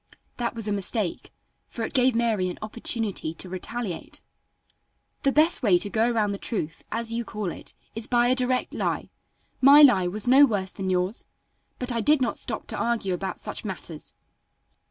That was a mistake, for it gave Mary an opportunity to retaliate: "The best way to go around the truth, as you call it, is by a direct lie. My lie was no worse than yours. But I did not stop to argue about such matters.